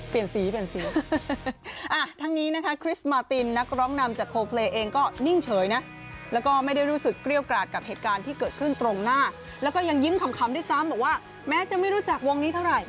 เปลี่ยนสีเปลี่ยนสีอ่ะทั้งนี้นะคะคริสต์มาตตินนักร้องนำจากโคลเพลย์เอง